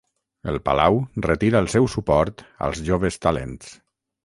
El Palau retira el seu suport als joves talents.